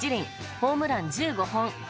ホームラン１５本。